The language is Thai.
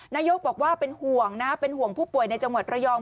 นายกบอกว่าเป็นห่วงผู้ป่วยในจังหวัดระยอง